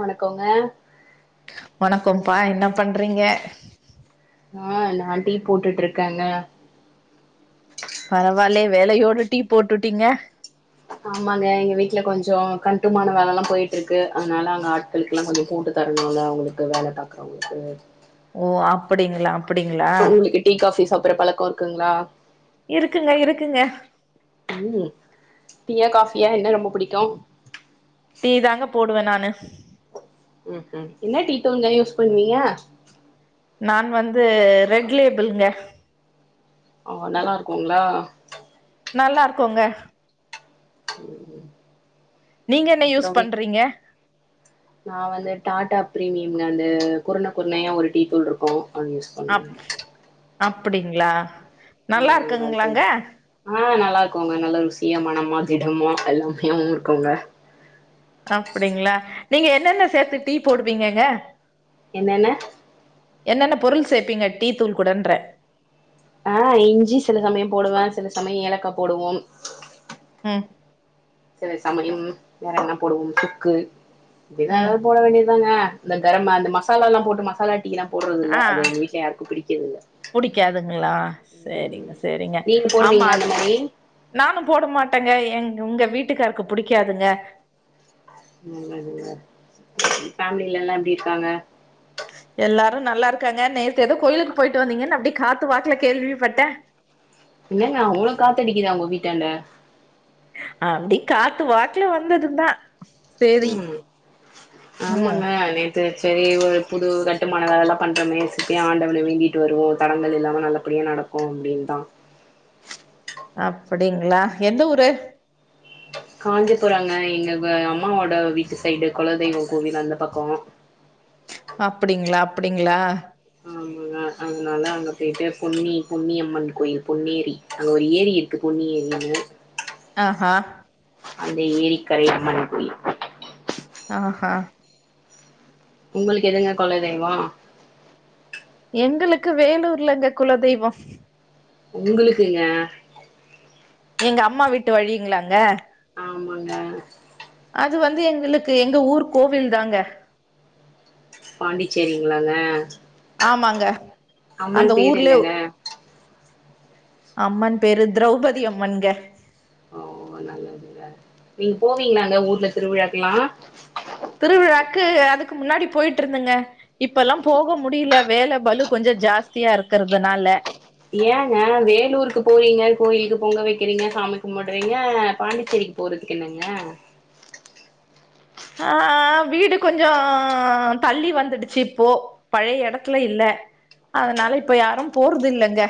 வணக்கோங்க வணக்கோ பா என்னா பண்றீங்க ஆ நா டீ போட்டுட்டு இருக்கேங்க பரவால்லயே வேலயோட டீ போட்டுட்டீங்க ஆமாங்க எங்க வீட்டுல கொஞ்சோ கட்டுமான வேலலா போயிட்டுருக்கு அதுனால அங்க ஆட்களுக் ல்லா கொஞ்சோ போட்டு தரணுன அவுங்களுக்கு வேல பாக்குறவங்களுக்கு ஓ அப்டிங்களா அப்டிங்களா உங்களுக்கு டீ காஃபி சாப்பற பழக்கோ இருக்குங்களா இருக்குங்க இருக்குங்க ம் டீ யா காஃபியா என்ன ரொம்ப புடிக்கு டி தாங்க போடுவ நானு ம்ம் என்ன டீத்துள்ங்க யூஸ் பண்ணுவீங்க நா வந்து ரெட்லேபிளுங்க ஒ நல்லா இருக்குங்களா நல்லா இருக்குங்க ம் ம் நீங்க என்ன அப்றோ யூஸ் வீ பண்றீங்க நா வந்து டாடா பிரீமியம்னு அந்த குருணை குருணையா ஒரு டீ தூள் இருக்கு அது யுஸ் அப் அப்டிங்களா ம் அது கொஞ் ஆ நல்லா இருக்குங்க நல்லா ருசியா மணமா திடமா எல்லாமாவே இருக்குங்க அப்டிங்களா நீங்க என்னென்ன சேத்து டீ போடுவிங்கங்க என்னென்ன என்னென்ன பொருள் சேப்பீங்க டீ தூள் கூடன்ற ஆ இஞ்சி சில சமயம் போடுவ சில சமய ஏலக்கா போடுவோம் ம் சில சமயம் வேற என்ன போடுவோம் சுக்கு இப்டிதா ம் எதாவது போட வேண்டியதுதாங்க அந்த கரம் அந்த மசால எல்லா போட்டு மசாலா டீ லா போடுறது இல்ல ஆ அது எங்க வீட்ல யாருக்கு பிடிக்கறதுதில்ல புடிக்காதுங்களா செரிங்க செரிங்க நீங்க ஆமா போடுவீங்களா அது அந்த மாரி நானு போட மாட்டேங்க எ எங்க வீட்டுக்காருக்கு புடிக்காதுங்க நல்லதுங்க ஃபேமிலில எல்லா எப்டி இருக்காங்க எல்லாரு நல்லா இருக்காங்க நேத்து ஏதோ கோயிலுக்கு போயிட்டு வந்தீங்கன்னு அப்டி காத்து வாக்கல கேள்விப்பட்டே என்னங்க அவளோ காத்த அடிக்குதா உங்க வீட்டாண்ட அப்டி காத்து வாக்குல வந்ததுதா சேரி ம் ம் ஆமாங்க நேத் செரி செரி ஒரு புது கட்டுமான வேல எல்லா பண்றோமே செரி ஆண்டவன வேண்டிட்டு வருவோ தடங்கள் இல்லாம நல்லபடியா நடக் கு அப்டினு தா அப்டிங்களா எந்த ஊரு காஞ்சிபுரங்க எங்க அம்மாவோட வீட்டு சைடு குலதெய்வ கோவில் அந்த பக்கோ அப்டிங்களா அப்டிங்களா ஆமாங்க அதனால அங்க போயிட்டு பொன்னி பொன்னியம்மன் கோயில் பொன்னேரி அங்க ஒரு ஏரி இருக்கு பொன்னி ஏரினு ஆஹா அந்த ஏரிக்கரை அம்மன் கோயில் ஆஹா உங்களுக்கு எதுங்க கொல தெய்வோ எங்களுக்கு வேலூர்லங்க குலதெய்வோ உங்களுக்குங்க எங்க அம்மா வீட்டு வழிங்களாங்க ஆமாங்க அது வந்து எங்குளுக்கு எங்க ஊர் கோவில் தாங்க பாண்டிச்சேரிங்களாங்க ஆமாங்க அந்த அம்மன் பேர் ஊர்லே என்னங்க அம்மன் பேரு திரௌபதி அம்மன்ங்க நீங் போவிங்ளாங்க ஊர்ல திருவிழாக்குல்லா திருவிழாக்கு அதுக்கு முன்னாடி போய்ட்ருந்தங்க இப்பல்லா போக முடில வேல பலு கொஞ்சோ ஜாஸ்தியாருக்கற்துனால ஏங்க வேலூருக்கு போறிங்க கோயிலுக்கு பொங்க வைக்கிறிங்க சாமி கும்முட்றிங்க பாண்டிச்சேரிக் போறதுக்கு என்னங்க ஆ ஆ வீடு கொஞ்சோ தள்ளி வந்துடுச்சு இப்போ பழைய எடத்துல இல்ல அதனால இப்ப யாரும் போறது இல்லங்க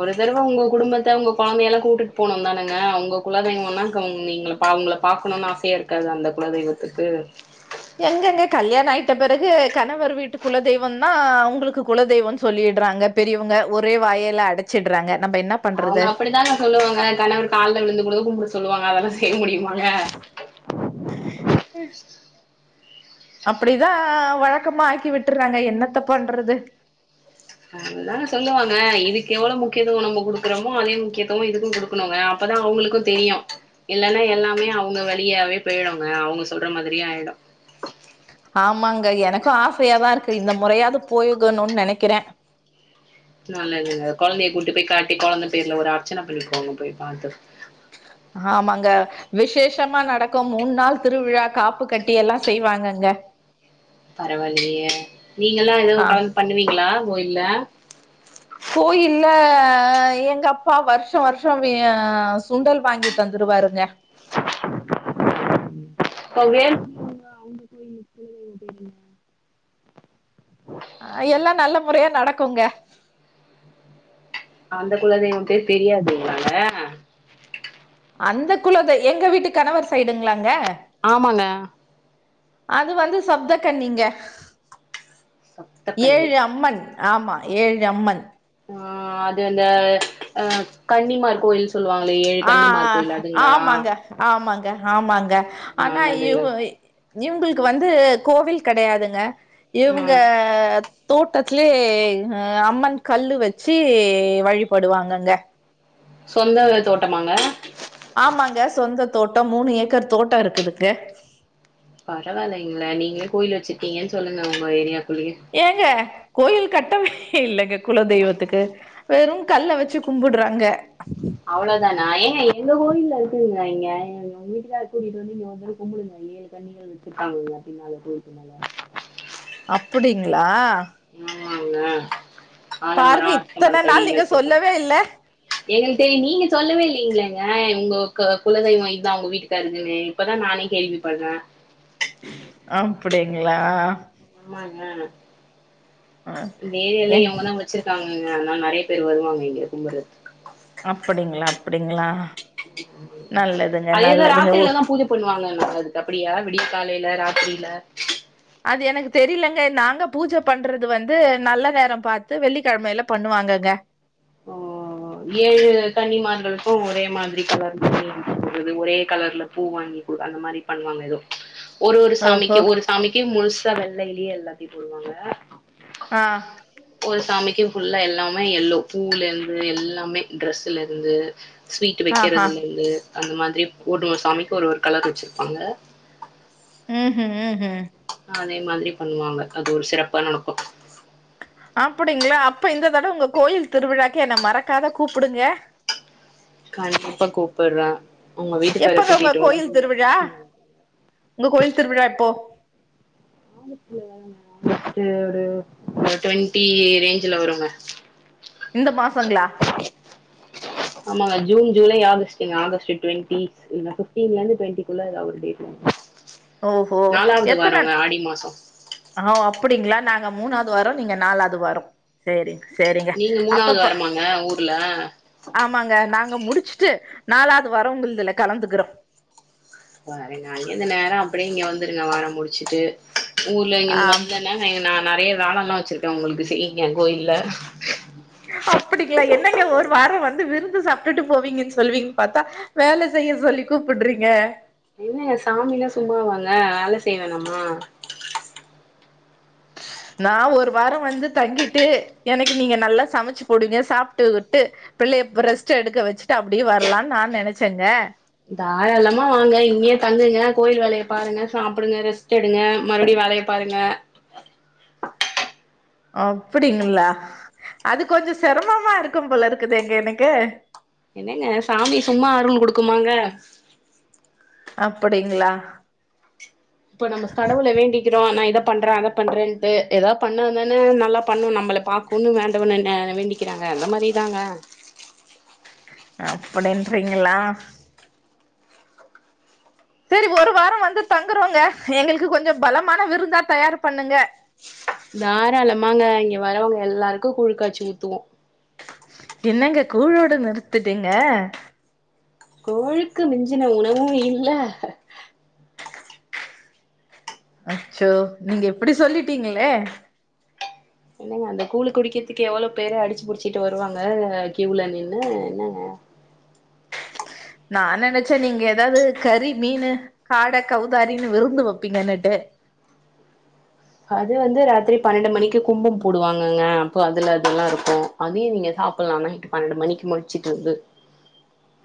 ஒரு தடவ உங்க குடும்பத்த உங்க கொழந்தய எல்லா கூட்டுட் போனுன் தானங்க உங்க குலதெய்வோன்னா க நீங்ளு பா அவுங்கள பாக்கணுன் ஆசையாருக்காதா அந்த குலதெய்வத்துக்கு எங்கங்க கல்யாண ஆயிட்ட பெறகு கணவர் வீட்டு குலதெய்வந்தா உங்குளுக்கு குலதெய்வோன் சொல்லிட்றாங்க பெரியவங்க ஒரே வாயால அடச்சிட்றாங்க நம்ப என்னப் அவுங்க அப்படித்தாங்க சொல்லுவாங்க கணவன் கால்ல விழுந்து கூட கும்புட சொல்லுவாங்க அதல்லா செய் முடியுமாங்க அ அப்டிதா வழக்கமா ஆக்கி விட்டுறாங்க என்னத்த பண்றது அதுதான சொல்லுவாங்க இதுக்கு எவ்ளவு முக்கியத்துவோ நம்போ குடுக்குறமோ அதே முக்கியத்துவம் இதுக்கும் குடுக் குனோங்க அப்பதா அவுங்குளுக்கும் தெரியு இல்லன்னா எல்லாமே அவுங்க வழியாவே போய்டோங்க அவுங்க சொல்ற மாதிரியே ஆய்டோ ஆமாங்க எனக்கோ ஆசையாதாருக்கு இந்த முறையாது போயிகனுன் நெனைக்கிறே நல்லதுங்க கொழந்தய கூட்டுப் போய் காட்டி கொழந்த பேர்ல ஒரு அர்ச்சன பண்ணிக்கோங்க போய் பாத்து ஆமாங்க விசேஷமா நடக்கும் மூண் நாள் திருவிழா காப்பு கட்டி எல்லா செய்வாங்கங்க பரவால்லயே நீங்கல்லா ஆ எதும் கலந்து பண்ணுவிங்ளா கோயில்ல கோயில்ல எங்க அப்பா வருஷ்ஷ வருஷ்ஷோ சுண்டல் வாங்கி தந்துருவாருங்க பவ்யன் அ எல்லா நல்ல முறையா நடக்குங்க அந்த குலதெய்வம் பேர் தெரியாது னால அந்த குலத்தெய் எங்க வீட்டு கணவர் சைடுங்ளாங்க ஆமாங்க அது வந்து சப்த கண்ணிங்க சப்த கன்னி ஏழு அம்மன் ஆமா ஏழு அம்மன் ஆ அது அந்த அ கன்னிமார் கோயில் சொல்லுவாங்களே ஏழு ஆ கன்னிமார் கோயில் ஆ அதுங்களா ஆமாங்க ஆமாங்க ஆமாங்க ஆனா நல்லதுங்க இவ் இவுங்குளுக்கு வந்து கோவில் கெடையாதுங்க இவுங்க ம் தோட்டத்லே ஆ அம்மன் கல்லு வெச்சி வழிபடுவாங்கங்க சொந்த தோட்டமாங்க ஆமாங்க சொந்த தோட்டோ மூணு ஏக்கர் தோட்டோ இருக்குதுங்க பரவால்லைங்ளே நீங்களே கோயில் வெச்சிர்க்கீங்கன் சொல்லுங்க உங்க ஏரியாக்குள்ளியே ஏங்க கோயில் கட்டவே இல்லங்க குல தெய்வத்துக்கு வெறும் கல்ல வெச்சி கும்புட்றாங்க அவ்ளோதானா ஏங்க எங்க கோயில்ல இருக்குதுங்க இங்க உங்க வீட்டுக்கார கூட்டிட்டு வந்து இங்க ஒர்தடவ கும்புடுங்க ஏழு கண்ணி [unintelligible] வெச்சிப்பாங்கல்ல பின்னால [unintelligible] மேல அப்டிங்ளா ஆமாங்க ஆலமரோ பாருங்க அரச இத்தன நாள் மரத்தடியில நீங்க சொல்லவே வச்சுர்க்காங்க இல்ல எங்கள்ட்ட நீங்க சொல்லவே இல்லைங்களங்க உங்க குலதெய்வம் இதா உங்க வீட்டுக்காருக்குன்னு இப்பதா நானே கேள்வி பட்றே அப்டிங்களா ஆமாங்க அ இந்த ஏ ஏரியாலயே அவங்கதாங்க வச்சிருக்காங்கங்க அதனால நறைய பேரு வருவாங்க இங்க கும்பட்றத்துக்கு அப்டிங்களா அப்டிங்களா நல்லதுங்க அதேதா நல்லதுங்க ஓ ராத்திரில தா பூஜை பண்ணுவாங்கங்க அதுக்கு அப்டியா விடிய காலையில ராத்திரில அது எனக்கு தெரியலங்க நாங்க பூஜை பண்றது வந்து நல்ல நேரம் பார்த்து வெள்ளிக்கிழமையில பண்ணுவாங்கங்க ஓ [inaudible] ஏழு கன்னிமார்களுக்கு ஒரே மாதிரி கலர்லறது ஒரே கலர்ல பூ வாங்கி பூ அந்த மாதிரி பண்ணுவாங்க எதோ ஒரு ஒரு ஓஹோ சாமிக்கு ஒரு சாமிக்கு முழுசா வெள்ளைலியே எல்லாத்தையு போடுவாங்க ஆ ஒரு சாமிக்கு ஃபுல்லா எல்லாமே எல்லோ பூல்லேருந்து எல்லாமே ட்ரெஸ்ஸுலேருந்து ஸ்வீட் ஆஹா வைக்கிறதுலருந்து அந்த மாதிரி கூடும்ம சாமிக்கு ஒரு ஒரு கலர் வச்சிருப்பாங்க ஹ் ஹ் ம் அதே மாதிரி பண்ணுவாங்க அது ஒரு சிறப்பா நடக்கு அப்டிங்ளா அப்ப இந்த தடவை உங்க கோயில் திருவிழாக்கு என்ன மறக்காத கூப்பிடுங்க கண்டிப்பா கூப்பிட்றே உங்க வீட்டுக்கார எப்பங்க உங்க கூட்டிட்டு வர்னு கோயில் திருவிழா உங்க கோயில் திருவிழா எப்போ அது ஒரு ட்வெண்ட்டி ரேஞ்ச்ல வருங்க இந்த மாசங்ளா ஆமாங்க ஜூன் ஜூலை ஆகஸ்ட்ங்க ஆகஸ்ட் ட்வெண்டி இல்ல பிப்ட்டீன் ல இருந்து ட்வெண்டிக்குள்ள எதா ஒரு டேட்டு ஓஹோ எப்போ தர் வாரங்க ஆடி மாசோ ஆ ஒ அப்டிங்ளா நாங்க மூணாவது வாரோ நீங்க நாலாவது வாரோ செரி செரிங்க நீங்க மூணாவது அப்பப்போ வாரமாங்க ஊர்ல ஆமாங்க நாங்க முடிச்சுட்டு நாளாவது வாரோ உங்கள்துல கலந்துக்கிறோ சரிங்க அங்கிருந்து நேரா அப்டியே இங்க வந்துருங்க வேல முடிச்சுட்டு ஊர்ல இங்கந்து ஆமா வந்தனே நா நிறைய வேலல்லா வச்சிருக்கே உங்களுக்கு செய்யுங்க கோயில்ல அப்படிங்களா என்னங்க ஒரு வாரோ வந்து விருந்து சாப்பிட்டுட்டு போவீங்கன் சொல்லுவீங்கன்னு பார்த்தா வேல செய்ய சொல்லி கூப்புட்றீங்க என்னங்க சாமின்னா சும்மாவாங்க வேல செய்ய வேணாம்மா நா ஒரு வாரோ வந்து தங்கிட்டு எனக்கு நீங்க நல்லா சமைச்சு போடுங்க சாப்ட்டு கிட்டு பிள்ளைய இப்போ ரெஸ்ட் எடுக்க வச்சுட்டு அப்படியே வரலான் நா நினைச்சங்க தாரளமா வாங்க இங்கேயே தங்குங்க கோயில் வேலைய பாருங்க சாப்டுங்க ரெஸ்ட் எடுங்க மறுப்டியு வேலய பாருங்க அப்டிங்ளா அது கொஞ்சோ சிரமமா இருக்கும் போல இருக்குதேங்க எனக்கு என்னங்க சாமி சும்மா அருள் கொடுக்குமாங்க அப்டிங்ளா இப்ப நம்ம கடவுள வேண்டிக்கிறோ நா இத பண்றேன் அதை பண்றேன்ட்டு எதா பண்ணா தானே நல்லா பண்ணு நம்மள பா பொண்ணு வேண்டவன்ன வேண்டிக்கிறாங்க அந்த மாரி தாங்க அப்படின்றீங்களா சரி ஒரு வாரோ வந்து தங்குறோங்க எங்களுக்கு கொஞ்ச பலமான விருந்தா தயார் பண்ணுங்க தாராளமாங்க இங்க வரவங்க எல்லாருக்கு கூழ் காய்சி ஊத்துவோ என்னங்க கூழோடு நிறுத்துட்டீங்க கூழுக்கு மிஞ்சின உணவு இல்ல அச்சோ நீங்க இப்படி சொல்லிட்டீங்களே என்னங்க அந்த கூழு குடிக்கிறதுக்கு எவ்வளோ பேரு அடிச்சு பிடிச்சிட்டு வருவாங்க கியூல நின்னு என்னங்க நான் நினைச்சே நீங்க எதாவது கறி மீனு காட கவுதாரின்னு விருந்து வைப்பீங்கனுட்டு அது வந்து ராத்திரி பன்னெண்டு மணிக்கு கும்பம் போடுவாங்கங்க அப்போ அதுல அதெல்லா இருக்கு அதையு நீங்க சாப்பிட்லாமேட்டு பன்னெண்டு மணிக்கு முளிச்சுட்டு இருந்து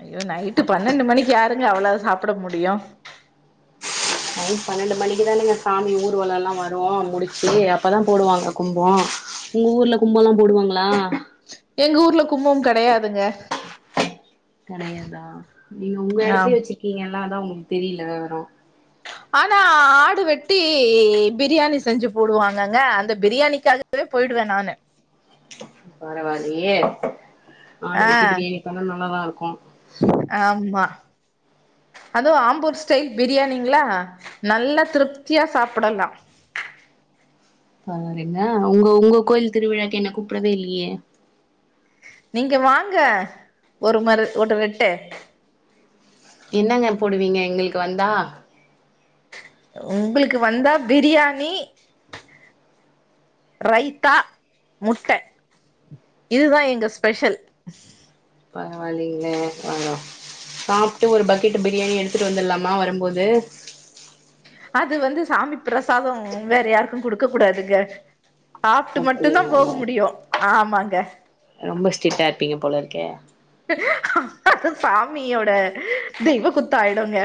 ஐயோ நைட்டு பன்னெண்டு மணிக்கு யாருங்க அவ்வளவு சாப்பிட முடியும் நைட்டு பன்னெண்டு மணிக்குதானேங்க சாமி ஊர்வலம் எல்லா வரும் முடிச்சு அப்பதா போடுவாங்க கும்போ உங்க ஊர்ல கும்போல்லா போடுவாங்களா எங்க ஊர்ல கும்போ கெடையாதுங்க கடையாதா நீங்க உங்க ஆ இடத்துலயே வச்சுக்கீங்கல்ல அதா உங்களுக்கு தெரியல ஆனா ஆடு வெட்டி பிரியாணி செஞ்சு போடுவாங்கங்க அந்த பிரியாணிக்காக வே போயிடுவே நானு பரவாயில்லையே ஆடு ஆ வெட்டி பிரியாணி பண்ணா நல்லாதா இருக்கு ஆமா அதுவு ஆம்பூர் ஸ்டைல் பிரியாணிங்களா நல்லா திருப்தியா சாப்பிடலா பாத்திங்களா உங்க உங்க கோயில் திருவிழாக்கு என்ன கூப்பிடவே இல்லையே நீங்க வாங்க ஒரு முற ஒரெட்டு என்னங்க போடுவீங்க எங்களுக்கு வந்தா உங்களுக்கு வந்தா பிரியாணி ரைத்தா முட்டை இதுதா எங்க ஸ்பெஷல் பரவால்லங்கலே வரோ சாப்ட்டு ஒரு பக்கெட் பிரியாணி எடுத்துட்டு வந்துட்லாமா வரம்போது அது வந்து சாமி பிரசாதம் வேற யாருக்கும் குடுக்க கூடாதுங்க சாப்ட்டு மட்டுந்தா போக அப்டிங்களாங்க முடியும் ஆமாங்க ரொம்ப ஸ்டிட்டா இருப்பீங்க போல இருக்கே சாமியோட தெய்வக்குத்தோ ஆயிடுங்க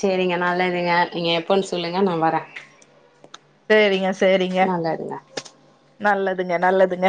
சேரிங்க நல்லதுங்க நீங்க எப்போன்னு சொல்லுங்க நா வரேன் சேரிங்க சேரிங்க நல்லதுங்க நல்லதுங்க